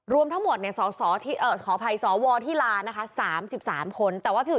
รวมทั้งหมดเนี่ยขออภัยสอวที่ลานะคะ๓๓คน